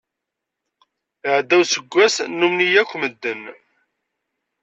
Iɛedda useggas nummen-iyi akk medden.